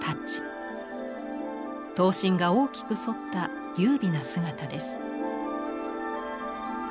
刀身が大きく反った優美な姿です。